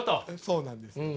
そうなんですよ。